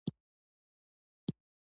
سم د ماښامه تبې ونيومه